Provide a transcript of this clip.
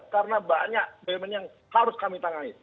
karena banyak elemen yang harus kami tangani